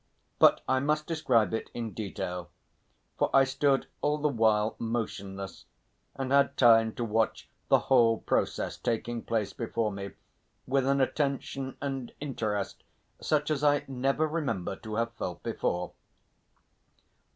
But I must describe it in detail, for I stood all the while motionless, and had time to watch the whole process taking place before me with an attention and interest such as I never remember to have felt before.